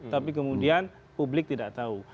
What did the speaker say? tapi kemudian publik tidak tahu